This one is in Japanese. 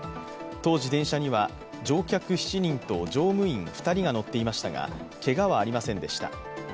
当時、電車には乗客７人と乗務員２人が乗っていましたが、けがはありませんでした。